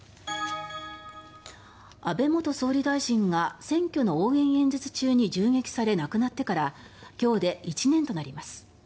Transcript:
安倍元総理大臣が選挙の応援演説中に銃撃され亡くなってから今日で１年となります。